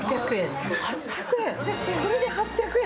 これ、８００円。